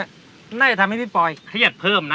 น่าจะทำให้พี่ปอยเครียดเพิ่มนะ